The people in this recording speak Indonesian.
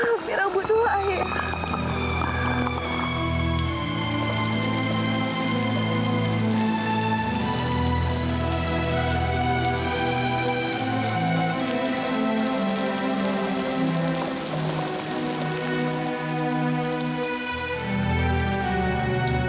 amirah butuh air